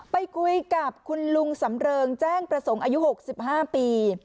ไปคุยกับคุณลุงสำเริงแจ้งประสงค์อายุ๖๕ปี